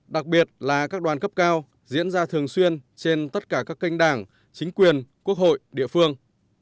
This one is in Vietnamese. đặc biệt là các đoàn cấp cao diễn ra thường xuyên trên tất cả các kênh đảng chính quyền quốc hội địa phương